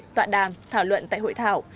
tọa đàm thảo luận tại hội thảo